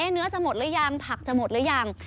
เนื้อจะหมดหรือยังผักจะหมดหรือยัง